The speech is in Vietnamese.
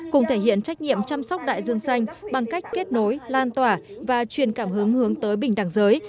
cùng thể hiện trách nhiệm chăm sóc đại dương xanh bằng cách kết nối lan tỏa và truyền cảm hứng hướng tới bình đẳng giới